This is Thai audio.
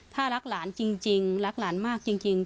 ถ้ารักหลานจริงรักหลานมากจริง